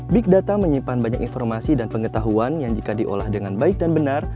big data menyimpan banyak informasi dan pengetahuan yang jika diolah dengan baik dan benar